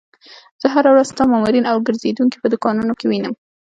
زه هره ورځ ستا مامورین او ګرځېدونکي په دوکانونو کې وینم.